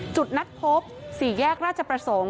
จุดนัดพบ๔แยกราชประสงค์